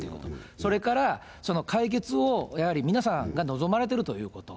それから解決をやはり皆さんが望まれてるということ。